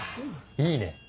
いいね。